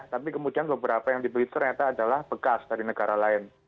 tapi kemudian beberapa yang dibeli ternyata adalah bekas dari negara lain